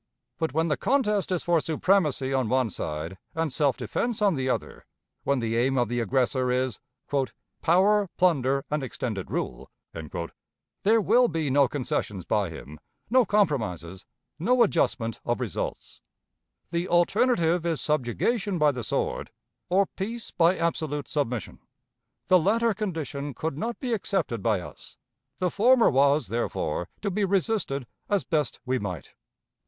But when the contest is for supremacy on one side and self defense on the other when the aim of the aggressor is "power, plunder, and extended rule" there will be no concessions by him, no compromises, no adjustment of results. The alternative is subjugation by the sword, or peace by absolute submission. The latter condition could not be accepted by us. The former was, therefore, to be resisted as best we might.